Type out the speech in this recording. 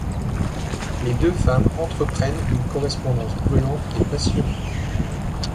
Les deux femmes entreprennent une correspondance brûlante et passionnée.